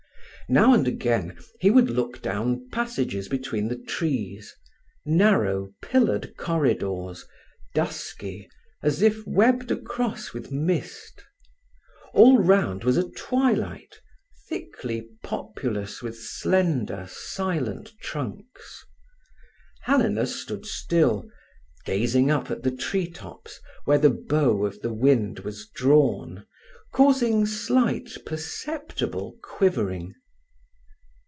Now and again he would look down passages between the trees—narrow pillared corridors, dusky as if webbed across with mist. All round was a twilight, thickly populous with slender, silent trunks. Helena stood still, gazing up at the tree tops where the bow of the wind was drawn, causing slight, perceptible quivering.